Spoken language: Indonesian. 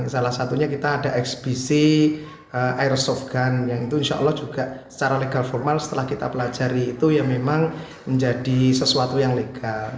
salah satunya kita ada eksbisi airsoft gun yang itu insya allah juga secara legal formal setelah kita pelajari itu ya memang menjadi sesuatu yang legal